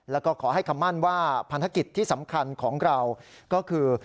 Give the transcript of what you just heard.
แล้วก็ขอให้คำมั่นว่าพันธกิจที่สำคัญของเราก็คือ